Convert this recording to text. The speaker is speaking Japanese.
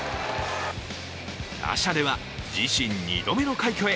打者では自身２度目の快挙へ。